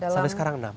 sampai sekarang enam